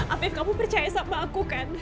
afif kamu percaya sama aku kan